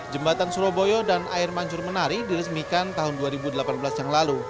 jembatan surabaya dan air mancur menari diresmikan tahun dua ribu delapan belas yang lalu